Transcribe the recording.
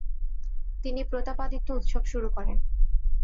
তিনি প্রতাপাদিত্ত উৎসব শুরু করেন।